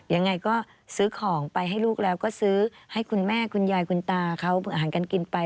ยังไงก็ซื้อของไปให้ลูกแล้วก็ซื้อให้คุณแม่คุณยายคุณตาเขาอาหารการกินไป